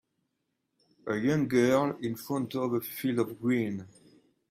A young girl in front of a field of green.